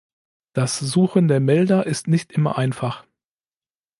Das Suchen der Melder ist nicht immer einfach.